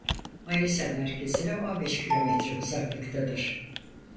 Manisa merkezine on beş kilometre uzaklıktadır.